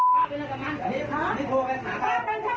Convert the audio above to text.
ป้าเป็นเช่าป้าผู้หมาใส่เย็นเบียบป้าเป็นใส่ไร